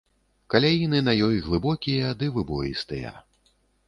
Каляіны на ёй глыбокія ды выбоістыя.